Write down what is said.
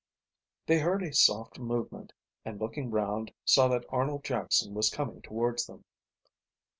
They heard a soft movement and looking round saw that Arnold Jackson was coming towards them.